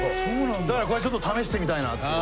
だからこれちょっと試してみたいなっていう。